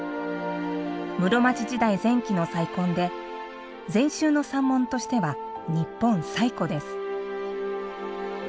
室町時代前期の再建で禅宗の三門としては日本最古です。